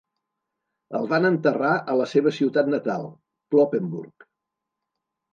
El van enterrar a la seva ciutat natal, Cloppenburg.